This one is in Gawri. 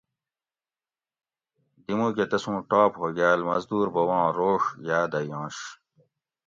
دی مُوکہ تسوں ٹاپ ہوگال مزدور بوباں روڛ یادہ یونش